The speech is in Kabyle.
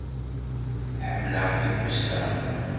Ḥemmleɣ timusa.